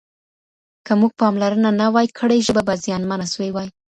که موږ پاملرنه نه وای کړې ژبه به زیانمنه سوې وای.